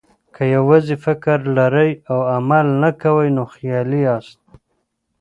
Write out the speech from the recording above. که یوازې فکر لرئ او عمل نه کوئ، نو خیالي یاست.